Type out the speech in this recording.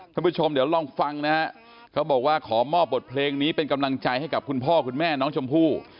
ท่านผู้ชมเดี๋ยวลองฟังนะฮะเขาบอกว่าขอมอบบทเพลงนี้เป็นกำลังใจให้กับคุณพ่อคุณแม่น้องชมพู่